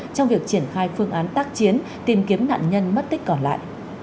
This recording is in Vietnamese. trong việc triển khai phương án tác chiến tìm kiếm nạn nhân mất tích còn lại